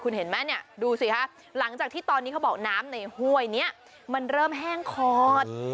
คุณเห็นไหมเนี่ยดูสิคะหลังจากที่ตอนนี้เขาบอกน้ำในห้วยนี้มันเริ่มแห้งขอด